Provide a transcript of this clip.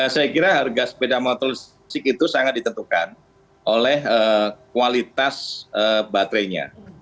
saya kira harga sepeda motor listrik itu sangat ditentukan oleh kualitas baterainya